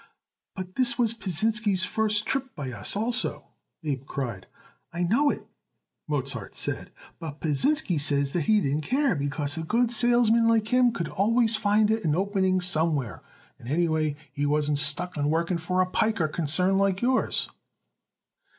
"But this was Pasinsky's first trip by us, also," Abe cried. "I know it," Mozart said, "but Pasinsky says that he didn't care, because a good salesman like him could always find it an opening somewhere, and anyway he wasn't stuck on working for a piker concern like yours."